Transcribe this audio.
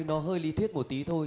nó hơi lý thuyết một tí thôi